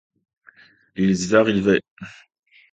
Ils arrivaient.